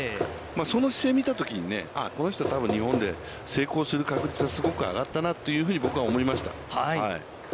その姿勢見たときに、この人、多分日本で成功する確率がすごく上がったなと僕は思いました。